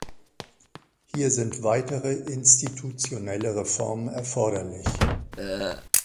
Hier sind weitere institutionelle Reformen erforderlich.